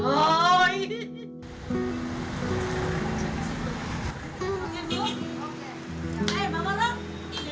masa ke situ